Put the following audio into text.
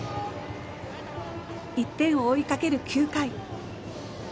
１点を追いかける９回。